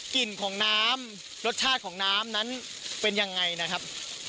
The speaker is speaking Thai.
กลิ่นของน้ำรสชาติของน้ำนั้นเป็นยังไงนะครับ